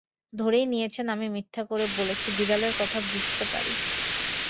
ধরেই নিয়েছেন আমি মিথ্যা করে বলেছি-বিড়ালের কথা বুঝতে পারি।